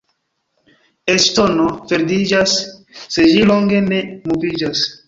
Eĉ ŝtono verdiĝas, se ĝi longe ne moviĝas.